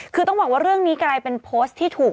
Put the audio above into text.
คือต้องบอกว่าเรื่องนี้กลายเป็นโพสต์ที่ถูก